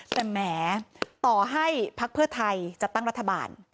แต่แหมต่อให้พักเพื่อไทยจัดตั้งรัฐบาล